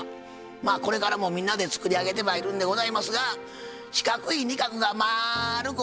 まあこれからもみんなで作り上げてまいるんでございますが「四角い仁鶴がまるくおさめまっせ」。